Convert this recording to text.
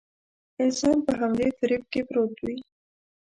انسان په همدې فريب کې پروت وي.